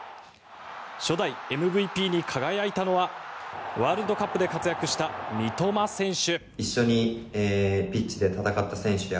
初代ＭＶＰに輝いたのはワールドカップで活躍した三笘選手。